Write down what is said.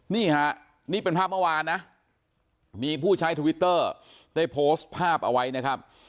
นี่ฮะนี่เป็นภาพเมื่อวานนะมีผู้ใช้ทวิตเตอร์ได้โพสต์ภาพเอาไว้นะครับ